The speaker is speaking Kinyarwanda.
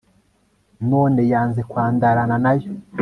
none yanze kwandarana nayo